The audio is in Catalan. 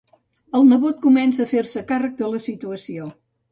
El nebot comença a fer-se càrrec de la situació.